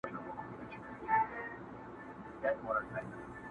عجايب يې دي رنگونه د ټوكرانو.!